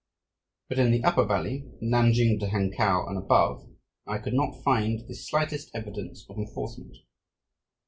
But in the upper valley, from Nanking to Hankow and above, I could not find the slightest evidence of enforcement.